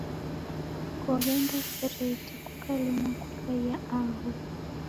Koghenda kireti kukalemwa kukaia aho?